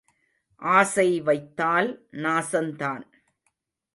ஆசை வைத்தால் நாசந்தான்.